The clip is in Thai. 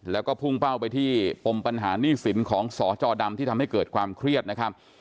แล้วก็พุ่งเป้าไปที่ปมปัญหาหนี้สินของสจดำที่ทำให้เกิดความเครียดนะครับ